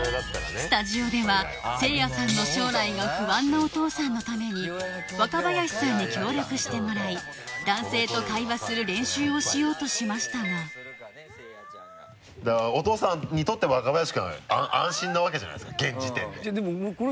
スタジオでは青空さんの将来が不安なお父さんのために若林さんに協力してもらい男性と会話する練習をしようとしましたがだからお父さんにとって若林君は安心なわけじゃないですか現時点で。